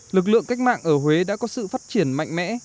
lực lượng cách mạng ở huế đã có sự phát triển mạnh mẽ